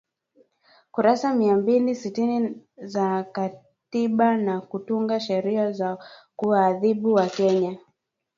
kurasa mia mbili sitini za katiba na kutunga sheria za kuwaadhibu wakenya